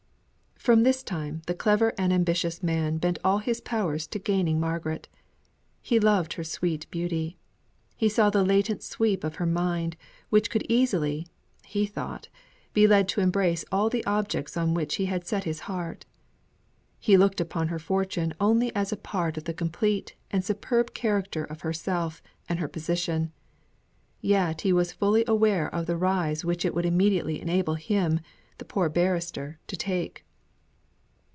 From this time the clever and ambitious man bent all his powers to gaining Margaret. He loved her sweet beauty. He saw the latent sweep of her mind, which could easily (he thought) be led to embrace all the objects on which he had set his heart. He looked upon her fortune only as a part of the complete and superb character of herself and her position; yet he was fully aware of the rise which it would immediately enable him, the poor barrister, to take.